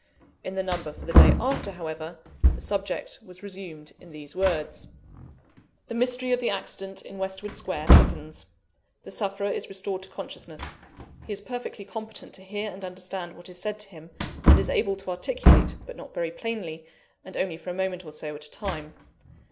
In the number for the day after, however, the subject was resumed in these words: "The mystery of the accident in Westwood Square thickens. The sufferer is restored to consciousness; he is perfectly competent to hear and understand what is said to him, and is able to articulate, but not very plainly, and only for a moment or so, at a time.